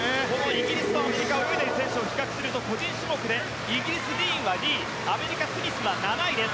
イギリスとアメリカの泳いでいる選手を比較すると個人種目でイギリス、ディーンは２位アメリカのスミスは７位です。